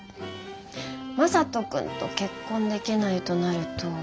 正門君と結婚できないとなると。